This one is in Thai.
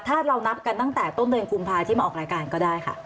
ถ้าเรานับกันตั้งแต่ต้นเดือนกุมภาที่มาออกรายการก็ได้ค่ะ